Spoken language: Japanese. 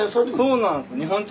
そうなんです。